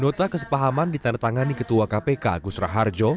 nota kesepahaman ditandatangani ketua kpk gusra harjo